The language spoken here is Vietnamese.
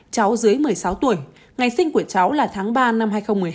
cháu dưới một mươi sáu tuổi ngày sinh của cháu là tháng ba năm hai nghìn một mươi hai